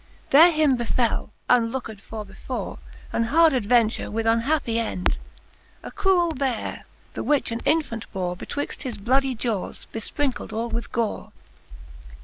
There him befall, unlooked for before, An hard adventure with unhappie end, A cruell Beare, the which an infant bore Betwixt his blood iejawes, belprinckled all with gore.